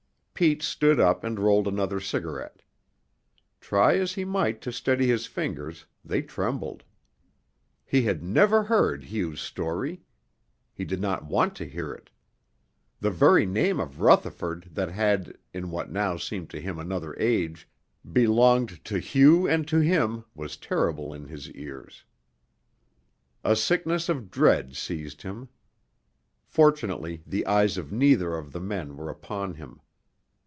Pete stood up and rolled another cigarette. Try as he might to steady his fingers, they trembled. He had never heard Hugh's story. He did not want to hear it. The very name of Rutherford that had, in what now seemed to him another age, belonged to Hugh and to him was terrible in his ears. A sickness of dread seized him. Fortunately the eyes of neither of the men were upon him.